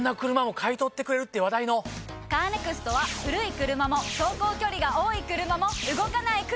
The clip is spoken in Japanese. カーネクストは古い車も走行距離が多い車も動かない車でも。